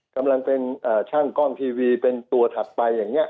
กำลังเป็นช่างก้อนทีวีเป็นตัวถัดไปอย่างนี้